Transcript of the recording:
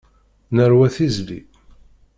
Nerwa tizli.